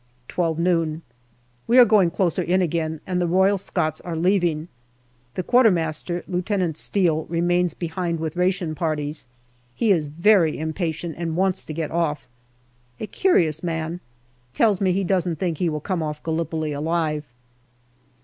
12 noon. We are going closer in again, and the Royal Scots are leaving. The Quartermaster, Lieutenant Steel, remains behind with ration parties. He is very impatient and wants to get off ; a curious man : tells me he doesn't think he will come off Gallipoli alive.